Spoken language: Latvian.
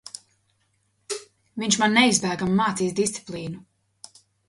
Viņš man neizbēgami mācīs disciplīnu.